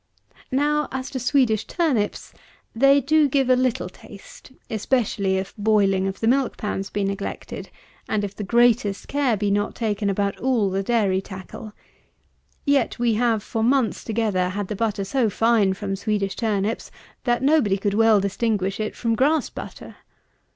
Now, as to Swedish turnips, they do give a little taste, especially if boiling of the milk pans be neglected, and if the greatest care be not taken about all the dairy tackle. Yet we have, for months together, had the butter so fine from Swedish turnips, that nobody could well distinguish it from grass butter.